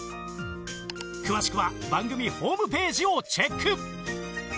詳しくは番組ホームページをチェック